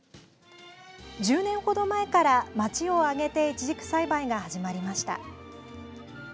１０年程前から、町を挙げていちじく栽培が始まりました。